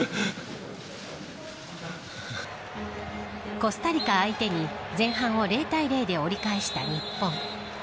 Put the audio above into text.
コスタリカ相手に前半を０対０で折り返した日本。